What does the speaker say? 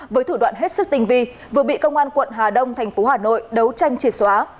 với thủ đoạn hết sức tình vi vừa bị công an quận hà đông tp hà nội đấu tranh chìa xóa